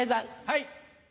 はい。